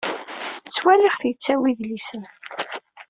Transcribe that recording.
Ttwaliɣ-t yettawi idlisen.